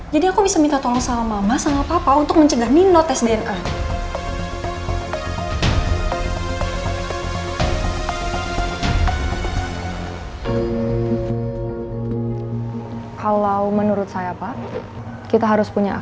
jadi penasaran ya